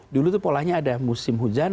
dulu itu polanya ada musim hujan